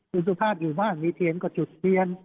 คุณสุภาพอยู่บ้านมีเทียนก็จุดเทียน